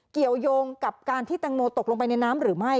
เกี่ยวยงกับการที่แตงโมตกลงไปในน้ำหรือไม่